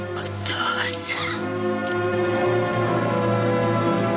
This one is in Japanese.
お父さん。